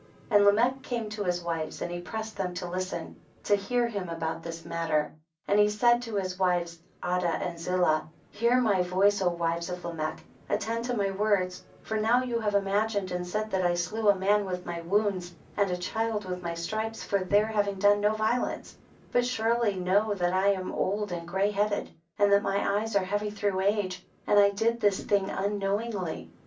34. And Lamech came to his wives, and he pressed them to listen to him about this matter. 6 tME BOOK OF JASHER. 35. And he said to his wives Adah and Zillah, hear my voice O wives of Lamech, attend to my words, for now you have imagined and said that 1 slew a man with my wounds, and a child with my stripes for their having done no violence, but surely know that I am old and greyheaded, and that my eyes are heavy through age, and I did this thing unknowingly.